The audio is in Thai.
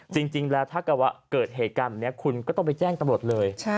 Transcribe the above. จริงแล้วถ้าเกิดว่าเกิดเหตุการณ์แบบนี้คุณก็ต้องไปแจ้งตำรวจเลย